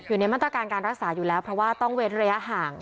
อยู่ในมาตรการการรักษาอยู่แล้วเพราะว่าต้องเว้นระยะห่าง